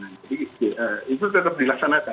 jadi itu tetap dilaksanakan